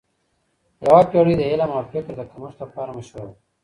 یوه پیړۍ د علم او فکر د کمښت لپاره مشهوره وه.